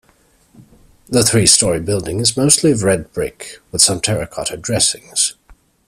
The three-storey building is mostly of red brick with some terracotta dressings.